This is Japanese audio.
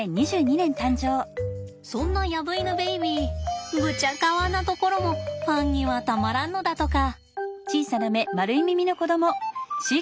そんなヤブイヌベイビーぶちゃかわなところもファンにはたまらんのだとか。